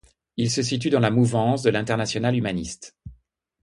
Il se situe dans la mouvance de l'Internationale humaniste.